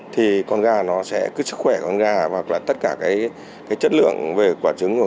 thì con gà nó sẽ cứ sức khỏe con gà và tất cả cái chất lượng về quả trứng